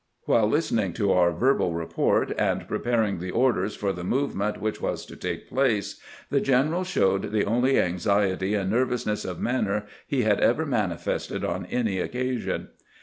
While listening to our verbal report and preparing the orders for the movement which was to take place, the general showed the only anxiety and nervousness of manner he had ever manifested on any occasion.